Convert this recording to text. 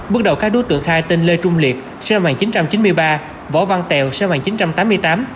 bước đầu các đối tượng khai tên lê trung liệt sinh năm một nghìn chín trăm chín mươi ba võ văn tèo sinh năm một nghìn chín trăm tám mươi tám